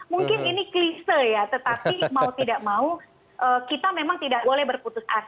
mungkin ini klise ya tetapi mau tidak mau kita memang tidak boleh berputus